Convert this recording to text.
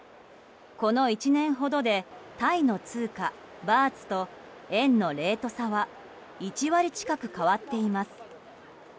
この１年ほどでタイの通貨バーツと円のレート差は１割近く変わっています。